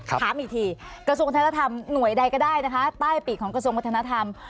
ถามอีกทีกระทรวงธนธรรมหน่วยใดก็ได้นะคะใต้ปีกของกระทรวงวัฒนธรรม